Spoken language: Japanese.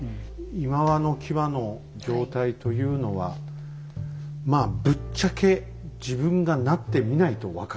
いまわの際の状態というのはまあぶっちゃけ自分がなってみないと分からないという。